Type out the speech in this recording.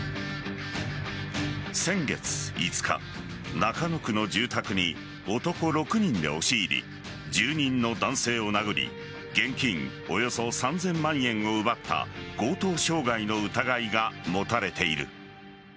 先月５日、中野区の住宅に男６人で押し入り住人の男性を殴り現金およそ３０００万円を奪った強盗傷害の疑いが持たれている。